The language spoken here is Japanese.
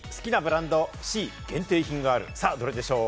どれでしょう？